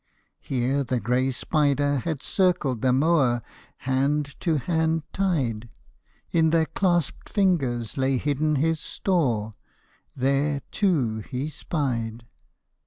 Here the grey spider had circled them o'er, Hand to hand tied. In their clasped fingers lay hidden his store, There, too, he spied.